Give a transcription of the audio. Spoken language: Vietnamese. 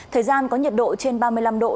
thời gian có nhiệt độ trên ba mươi năm độ